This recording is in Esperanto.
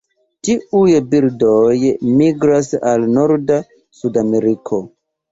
Tiuj birdoj migras al norda Sudameriko.